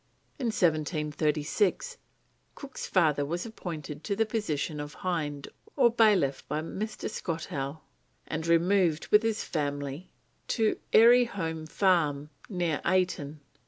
In 1736 Cook's father was appointed to the position of hind or bailiff by Mr. Skottowe, and removed with his family to Airy Holme Farm, near Ayton.